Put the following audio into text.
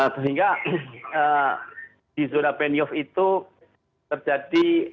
sehingga di zona penyuf itu terjadi